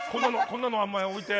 こんなの置いて。